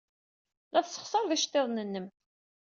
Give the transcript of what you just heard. La tessexṣared iceḍḍiḍen-nnem.